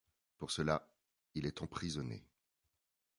Pour cela, il est emprisonné.